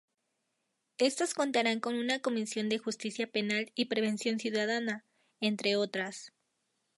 Estos contarán con una comisión de justicia penal y prevención ciudadana, entre otras.